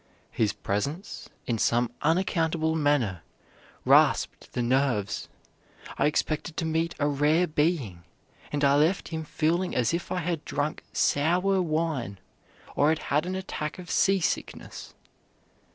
"His presence, in some unaccountable manner, rasped the nerves. I expected to meet a rare being, and I left him feeling as if I had drunk sour wine, or had had an attack of seasickness."